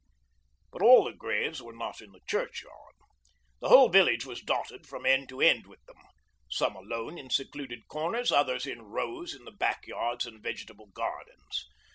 But all the graves were not in the churchyard. The whole village was dotted from end to end with them, some alone in secluded corners, others in rows in the backyards and vegetable gardens.